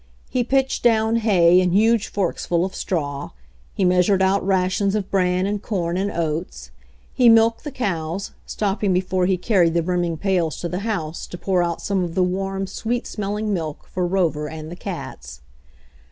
He pitched down hay and huge forksful of straw; he measured out rations of bran and corn and oats; he milked the cows, stop ping before he carried the brimming pails to the house to pour out some of the warm, sweet smell ing milk for Rover and the cats.